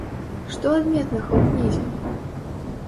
Што адметнага ў кнізе?